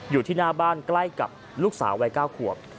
อยู่ที่หน้าบ้านใกล้กับลูกสาววัย๙ขวบ